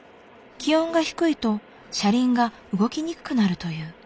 気温が低いと車輪が動きにくくなるという。